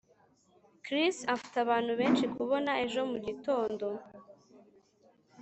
Chris afite abantu benshi kubona ejo mugitondo